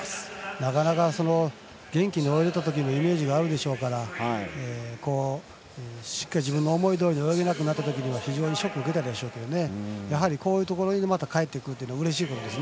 なかなか元気に泳いでいたときのイメージがあるでしょうからしっかり自分の思いどおりに泳げなくなったときには非常にショックを受けたでしょうけどやはり、こういうところに帰ってくるのはうれしいです。